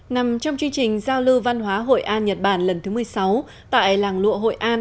nằm trong chương trình giao lưu văn hóa hội an nhật bản lần thứ một mươi sáu tại làng lụa hội an